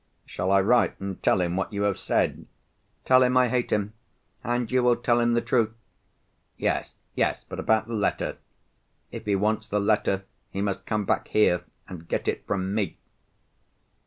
"Shall I write, and tell him what you have said?" "Tell him I hate him. And you will tell him the truth." "Yes, yes. But about the letter——?" "If he wants the letter, he must come back here, and get it from Me."